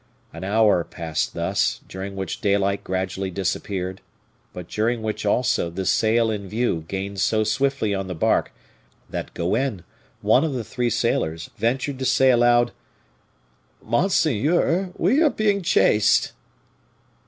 An hour passed thus, during which daylight gradually disappeared, but during which also the sail in view gained so swiftly on the bark, that Goenne, one of the three sailors, ventured to say aloud: "Monseigneur, we are being chased!"